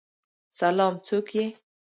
سلام، څوک یی؟